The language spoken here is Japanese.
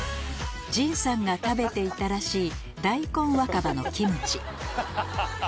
ＪＩＮさんが食べていたらしい大根若葉のキムチ